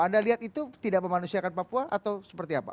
anda lihat itu tidak memanusiakan papua atau seperti apa